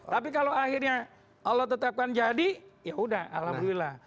tapi kalau akhirnya allah tetapkan jadi ya sudah alhamdulillah